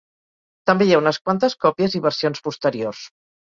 També hi ha unes quantes còpies i versions posteriors.